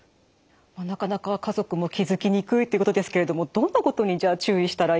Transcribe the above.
なかなか家族も気付きにくいということですけれどもどんなことにじゃあ注意したらいいですか？